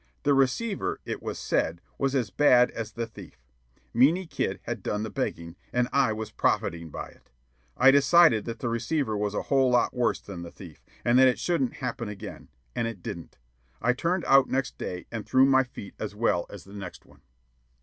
The receiver, it was said, was as bad as the thief; Meeny Kid had done the begging, and I was profiting by it. I decided that the receiver was a whole lot worse than the thief, and that it shouldn't happen again. And it didn't. I turned out next day and threw my feet as well as the next one.